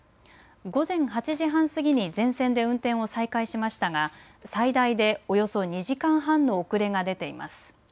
午前８時半過ぎに全線で運転を再開しましたが最大でおよそ２時間半の遅れが出ています。